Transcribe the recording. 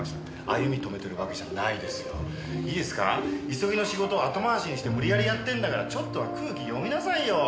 急ぎの仕事後回しにして無理矢理やってんだからちょっとは空気読みなさいよ！